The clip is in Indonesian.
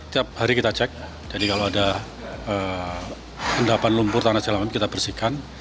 tiap hari kita cek jadi kalau ada endapan lumpur tanah jalanan kita bersihkan